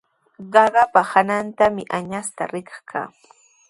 Qaqapa hanantrawmi añasta rikash kaa.